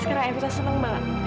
sekarang evita seneng banget